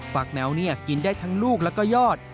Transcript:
ฝากแมวกินได้ทั้งลูกแล้วก็ยอด